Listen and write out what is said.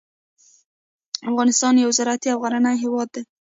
افغانستان یو زراعتي او غرنی هیواد دی.